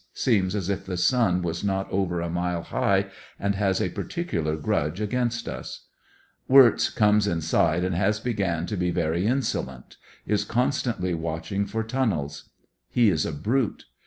Seems as if the sun was not over a mile high, and has a particular grudge a^iainst us. Wirtz comes inside and has began to be very insolent. Is constantly watching for tunnels. He is a brute.